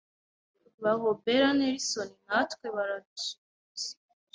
bahobera Nelson natwe baradusuhuza